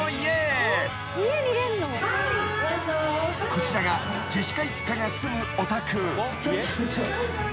［こちらがジェシカ一家が住むお宅］